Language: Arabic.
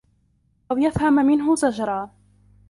أَوْ يَفْهَمُ مِنْهُ زَجْرًا